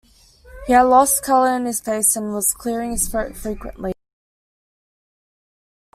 He had lost color in his face and was clearing his throat frequently.